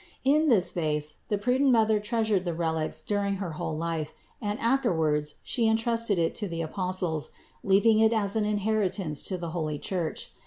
In this vase the prudent Mother treasured the relics during her whole life and afterwards She entrusted it to the Apostles, leaving it as an inheritance to the holy Church.